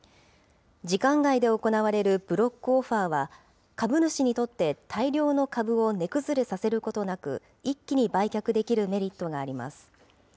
時間外で行われるブロックオファーは、株主にとって、大量の株を値崩れさせることなく、一気に売却できるメリットがあります。